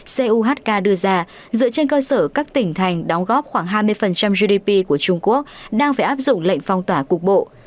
cohk đưa ra dựa trên cơ sở các tỉnh thành đóng góp khoảng hai mươi gdp của trung quốc đang phải áp dụng lệnh phong tỏa cục bộ